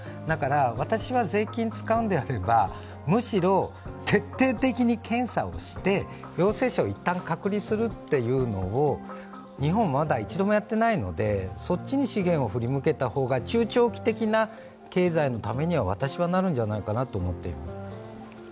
だから、私は税金使うんであればむしろ徹底的に検査をして陽性者をいったん隔離するというのを日本はまだ一度もやっていないので、そっちに資源を振り向けた方が中長期的な経済のためには私はなるんじゃないかなと思っています。